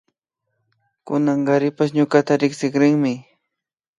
Kunankarishpa ñukata riksirinmi